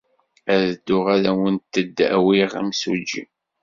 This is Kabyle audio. Ad dduɣ ad awent-d-awiɣ imsujji.